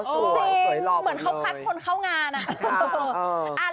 สวยจริงเหมือนเขาพังต้นเข้างาน